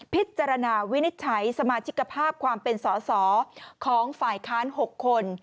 พิจารณาวินิจฉัยสมาชิกภาพความเป็นสอสอของฝ่ายค้าน๖คน